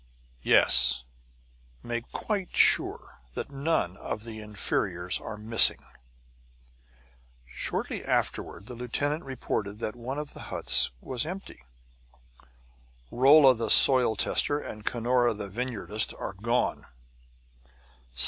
"Yes. Make quite sure that none of the inferiors are missing." Shortly afterward the lieutenant reported that one of the huts was empty. "Rolla, the soil tester, and Cunora, the vineyardist, are gone."